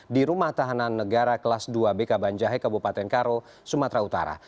di rumah tahanan negara kelas dua bk banjahe kabupaten karo sumatera utara